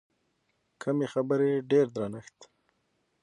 کمې خبرې، ډېر درنښت.